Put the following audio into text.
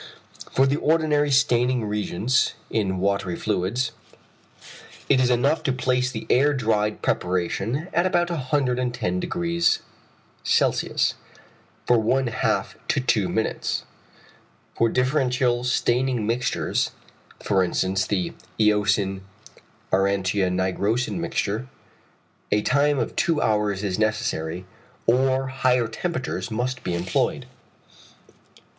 For the ordinary staining reagents (in watery fluids) it is enough to place the air dried preparation at about 110° C. for one half to two minutes. For differential staining mixtures, for instance the eosin aurantia nigrosin mixture, a time of two hours is necessary, or higher temperatures must be employed.